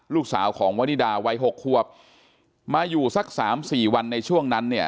ลูกสาวของวณีดาวัย๖ควบมาอยู่สัก๓๔วันในช่วงนั้น